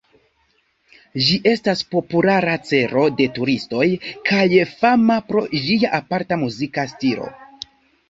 Ĝi estas populara celo de turistoj, kaj fama pro ĝia aparta muzika stilo.